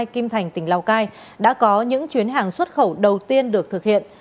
kim thành tỉnh lào cai đã có những chuyến hàng xuất khẩu đầu tiên được thực hiện